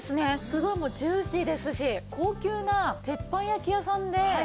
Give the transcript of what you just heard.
すごいもうジューシーですし高級な鉄板焼き屋さんで頂いてる感覚。